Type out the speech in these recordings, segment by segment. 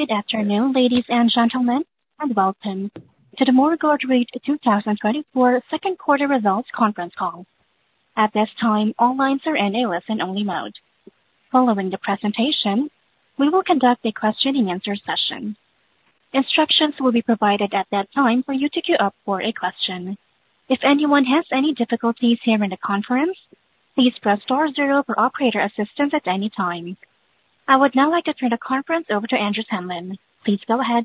Good afternoon, ladies and gentlemen, and welcome to the Morguard REIT 2024 second quarter results conference call. At this time, all lines are in a listen-only mode. Following the presentation, we will conduct a question-and-answer session. Instructions will be provided at that time for you to queue up for a question. If anyone has any difficulties hearing the conference, please press star zero for operator assistance at any time. I would now like to turn the conference over to Andrew Tamlin. Please go ahead.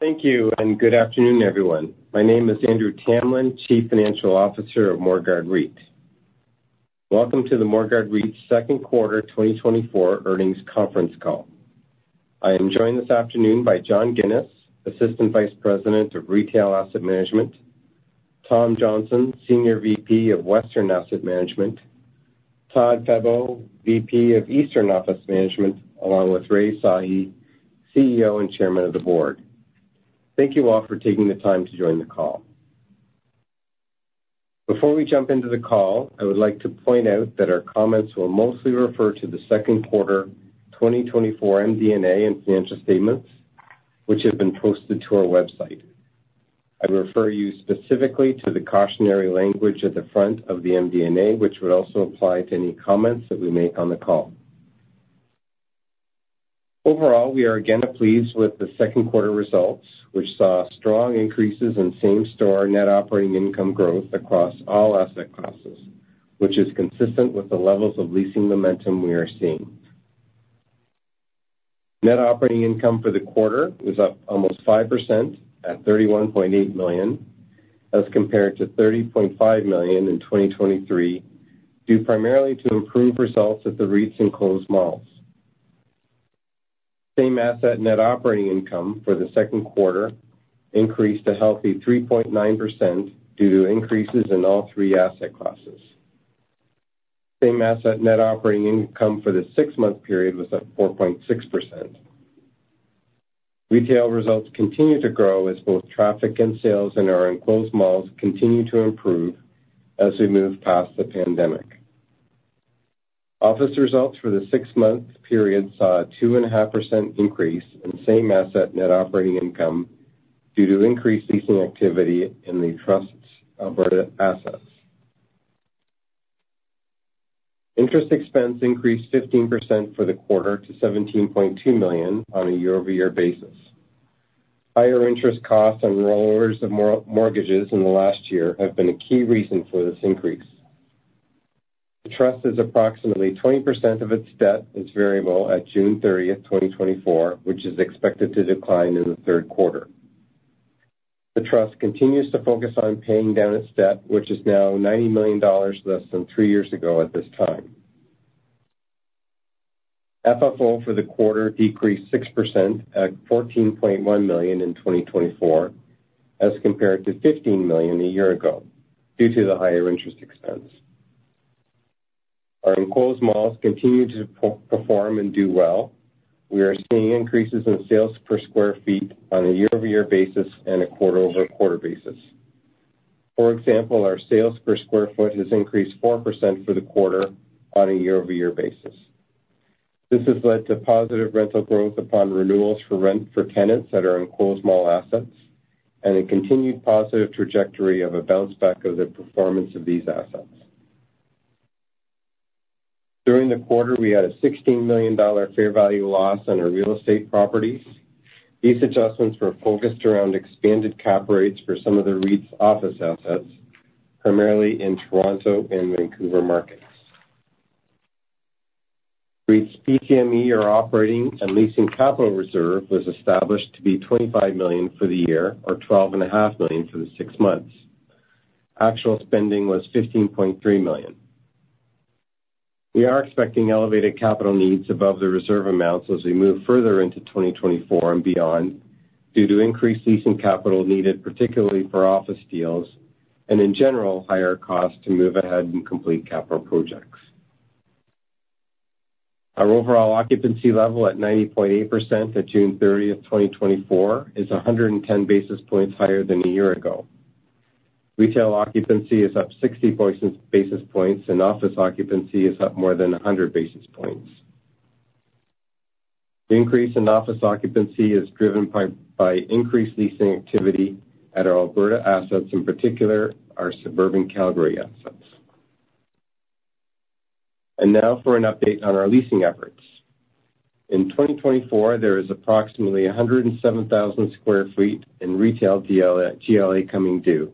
Thank you, and good afternoon, everyone. My name is Andrew Tamlin, Chief Financial Officer of Morguard REIT. Welcome to the Morguard REIT second quarter 2024 earnings conference call. I am joined this afternoon by John Ginis, Assistant Vice President of Retail Asset Management, Tom Johnston, Senior VP of Western Asset Management, Todd Febbo, VP of Eastern Office Management, along with Rai Sahi, CEO and Chairman of the Board. Thank you all for taking the time to join the call. Before we jump into the call, I would like to point out that our comments will mostly refer to the second quarter 2024 MD&A and financial statements, which have been posted to our website. I'd refer you specifically to the cautionary language at the front of the MD&A, which would also apply to any comments that we make on the call. Overall, we are again pleased with the second quarter results, which saw strong increases in same-store net operating income growth across all asset classes, which is consistent with the levels of leasing momentum we are seeing. Net operating income for the quarter was up almost 5% at 31.8 million, as compared to 30.5 million in 2023, due primarily to improved results at the REIT's enclosed malls. Same asset net operating income for the second quarter increased a healthy 3.9% due to increases in all three asset classes. Same asset net operating income for the six-month period was up 4.6%. Retail results continue to grow as both traffic and sales in our enclosed malls continue to improve as we move past the pandemic. Office results for the six-month period saw a 2.5% increase in same asset net operating income due to increased leasing activity in the Trust's Alberta assets. Interest expense increased 15% for the quarter to 17.2 million on a year-over-year basis. Higher interest costs on rollovers of mortgages in the last year have been a key reason for this increase. The Trust is approximately 20% of its debt is variable at June 30, 2024, which is expected to decline in the third quarter. The Trust continues to focus on paying down its debt, which is now 90 million dollars less than three years ago at this time. FFO for the quarter decreased 6% at 14.1 million in 2024, as compared to 15 million a year ago, due to the higher interest expense. Our enclosed malls continue to perform and do well. We are seeing increases in sales per square feet on a year-over-year basis and a quarter-over-quarter basis. For example, our sales per square foot has increased 4% for the quarter on a year-over-year basis. This has led to positive rental growth upon renewals for rent for tenants that are enclosed mall assets, and a continued positive trajectory of a bounce back of the performance of these assets. During the quarter, we had a 16 million dollar fair value loss on our real estate properties. These adjustments were focused around expanded cap rates for some of the REIT's office assets, primarily in Toronto and Vancouver markets. REIT's PCME, or operating and leasing capital reserve, was established to be 25 million for the year or 12.5 million for the six months. Actual spending was 15.3 million. We are expecting elevated capital needs above the reserve amounts as we move further into 2024 and beyond, due to increased leasing capital needed, particularly for office deals, and in general, higher costs to move ahead and complete capital projects. Our overall occupancy level at 90.8% at June 30, 2024, is 110 basis points higher than a year ago. Retail occupancy is up 60 basis points, and office occupancy is up more than 100 basis points. The increase in office occupancy is driven by increased leasing activity at our Alberta assets, in particular, our suburban Calgary assets. And now for an update on our leasing efforts. In 2024, there is approximately 107,000 sq ft in retail GLA, GLA coming due,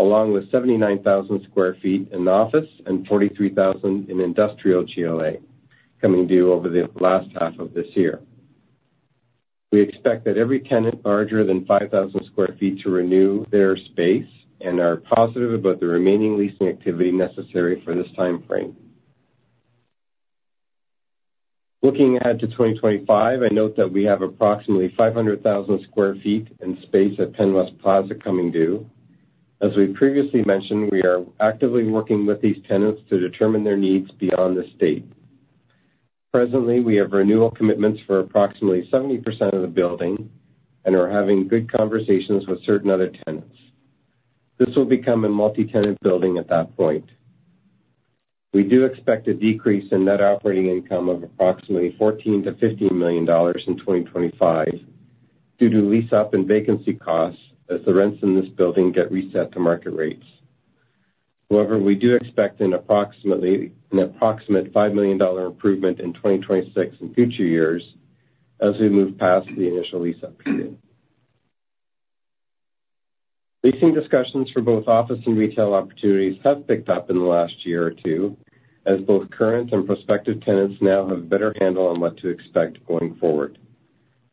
along with 79,000 sq ft in office and 43,000 in industrial GLA coming due over the last half of this year. We expect that every tenant larger than 5,000 sq ft to renew their space and are positive about the remaining leasing activity necessary for this time frame. Looking ahead to 2025, I note that we have approximately 500,000 sq ft in space at Penn West Plaza coming due. As we previously mentioned, we are actively working with these tenants to determine their needs beyond this date. Presently, we have renewal commitments for approximately 70% of the building and are having good conversations with certain other tenants. This will become a multi-tenant building at that point. We do expect a decrease in net operating income of approximately 14 million-15 million dollars in 2025 due to lease-up and vacancy costs as the rents in this building get reset to market rates. However, we do expect an approximate 5 million dollar improvement in 2026 in future years as we move past the initial lease-up period. Leasing discussions for both office and retail opportunities have picked up in the last year or two, as both current and prospective tenants now have a better handle on what to expect going forward.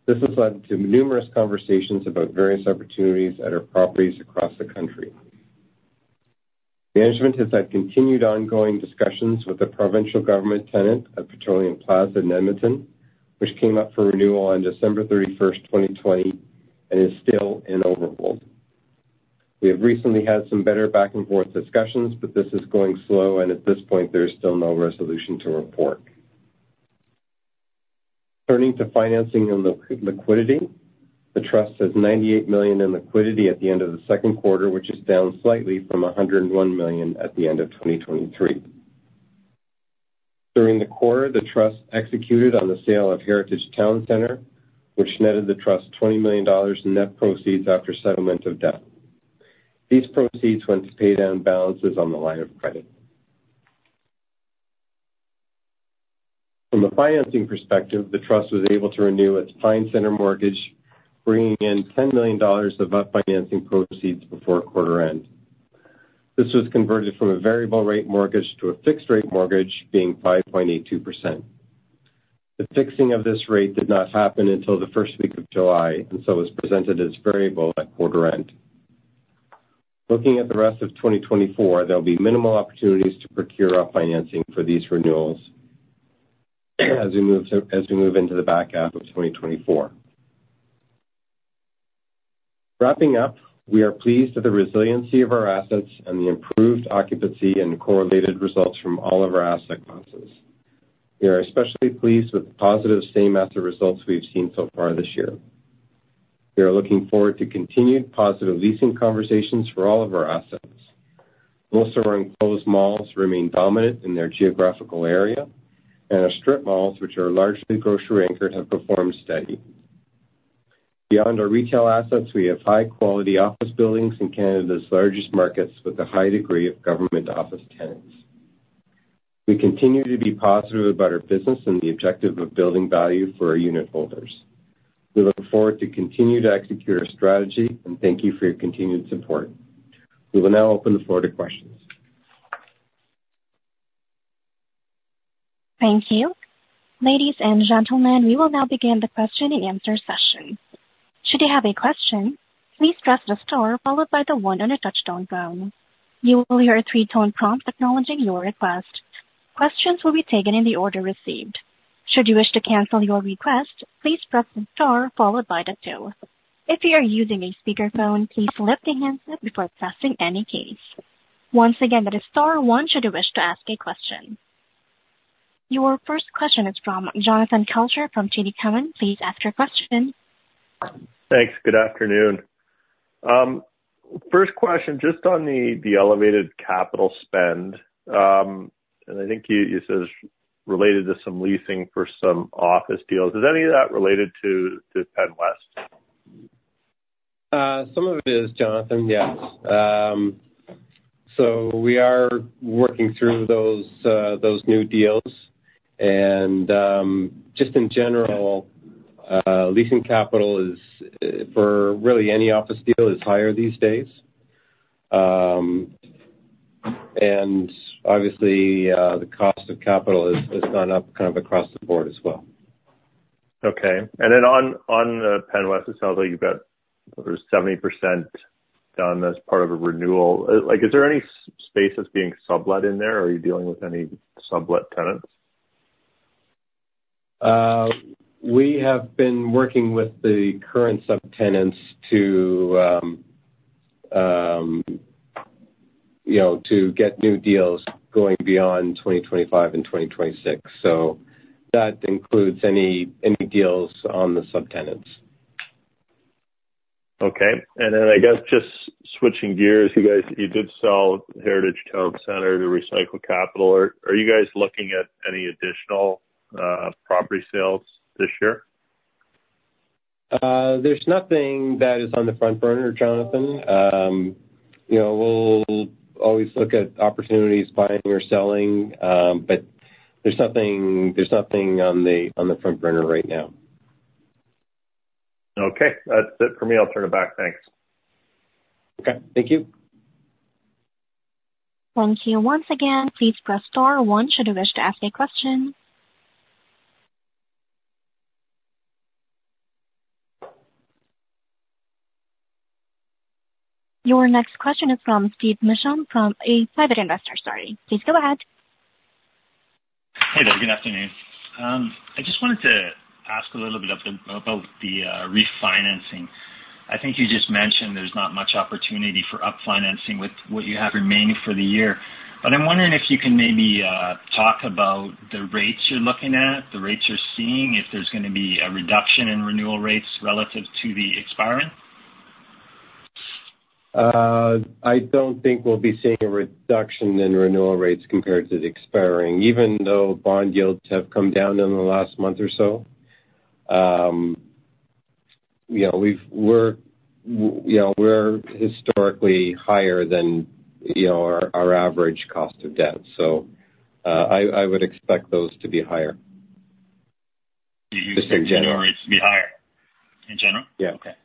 This has led to numerous conversations about various opportunities at our properties across the country. Management has had continued ongoing discussions with the provincial government tenant of Petroleum Plaza in Edmonton, which came up for renewal on December 31, 2020, and is still in overhold. We have recently had some better back and forth discussions, but this is going slow, and at this point, there is still no resolution to report. Turning to financing and liquidity, the Trust has 98 million in liquidity at the end of the second quarter, which is down slightly from 101 million at the end of 2023. During the quarter, the Trust executed on the sale of Heritage Towne Centre, which netted the Trust 20 million dollars in net proceeds after settlement of debt. These proceeds went to pay down balances on the line of credit. From a financing perspective, the Trust was able to renew its Pine Centre mortgage, bringing in 10 million dollars of up financing proceeds before quarter end. This was converted from a variable rate mortgage to a fixed rate mortgage, being 5.82%. The fixing of this rate did not happen until the first week of July, and so it was presented as variable at quarter end. Looking at the rest of 2024, there'll be minimal opportunities to procure up financing for these renewals as we move to- as we move into the back half of 2024. Wrapping up, we are pleased with the resiliency of our assets and the improved occupancy and correlated results from all of our asset classes. We are especially pleased with the positive same asset results we've seen so far this year. We are looking forward to continued positive leasing conversations for all of our assets. Most of our enclosed malls remain dominant in their geographical area, and our strip malls, which are largely grocery anchored, have performed steady. Beyond our retail assets, we have high quality office buildings in Canada's largest markets with a high degree of government office tenants. We continue to be positive about our business and the objective of building value for our unitholders. We look forward to continue to execute our strategy, and thank you for your continued support. We will now open the floor to questions. Thank you. Ladies and gentlemen, we will now begin the question-and-answer session. Should you have a question, please press the star followed by the one on your touch-tone phone. You will hear a three-tone prompt acknowledging your request. Questions will be taken in the order received. Should you wish to cancel your request, please press the star followed by the two. If you are using a speakerphone, please lift the handset before pressing any keys. Once again, that is star one should you wish to ask a question. Your first question is from Jonathan Kelcher from TD Cowen. Please ask your question. Thanks. Good afternoon. First question, just on the elevated capital spend, and I think you said it's related to some leasing for some office deals. Is any of that related to Penn West? Some of it is, Jonathan, yes. So we are working through those new deals, and just in general, leasing capital is for really any office deal is higher these days. And obviously, the cost of capital has gone up kind of across the board as well. Okay. Then on, on the Penn West, it sounds like you've got over 70% done as part of a renewal. Like, is there any space that's being sublet in there, or are you dealing with any sublet tenants? We have been working with the current subtenants to, you know, to get new deals going beyond 2025 and 2026. So that includes any deals on the subtenants. Okay. And then I guess just switching gears, you guys, you did sell Heritage Towne Centre to recycle capital. Are you guys looking at any additional property sales this year? There's nothing that is on the front burner, Jonathan. You know, we'll always look at opportunities buying or selling, but there's nothing, there's nothing on the front burner right now. Okay. That's it for me. I'll turn it back. Thanks. Okay. Thank you. Thank you. Once again, please press star one should you wish to ask a question. Your next question is from Steve Mishan, from a private investor. Sorry. Please go ahead. Hey there. Good afternoon. I just wanted to ask a little bit about the refinancing. I think you just mentioned there's not much opportunity for up financing with what you have remaining for the year. But I'm wondering if you can maybe talk about the rates you're looking at, the rates you're seeing, if there's gonna be a reduction in renewal rates relative to the expiring? I don't think we'll be seeing a reduction in renewal rates compared to the expiring. Even though bond yields have come down in the last month or so, you know, we're historically higher than, you know, our average cost of debt, so I would expect those to be higher. Just in general. You expect your rates to be higher in general? Yeah. Okay.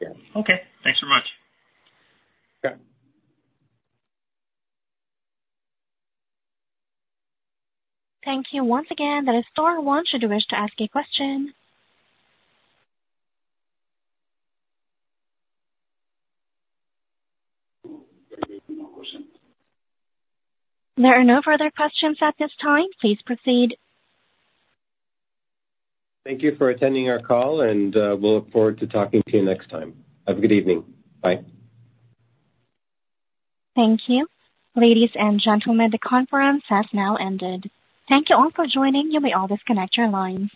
Yeah. Okay. Thanks so much. Yeah. Thank you. Once again, that is star one, should you wish to ask a question. There are no further questions at this time. Please proceed. Thank you for attending our call, and, we'll look forward to talking to you next time. Have a good evening. Bye. Thank you. Ladies and gentlemen, the conference has now ended. Thank you all for joining. You may all disconnect your lines.